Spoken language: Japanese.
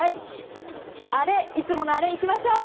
いつものあれいきましょう。